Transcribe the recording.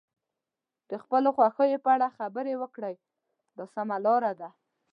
د خپلو خوښیو په اړه خبرې وکړئ دا سمه لاره ده.